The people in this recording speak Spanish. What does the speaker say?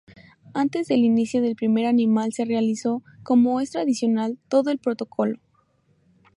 Antes del inicio del primer animal se realizó, como es tradicional, todo el protocolo.